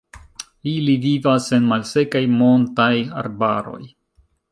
Ili vivas en malsekaj montaj arbaroj.